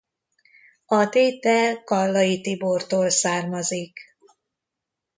A tétel Gallai Tibortól származik.